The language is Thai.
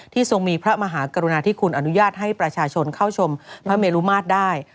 ทรงมีพระมหากรุณาธิคุณอนุญาตให้ประชาชนเข้าชมพระเมลุมาตรได้